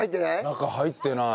中入ってない。